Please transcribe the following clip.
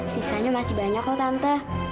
sisanya masih banyak kok tante